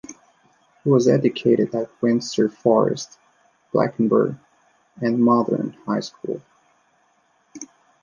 He was educated at Windsor Forest, Blankenburg and Modern High School.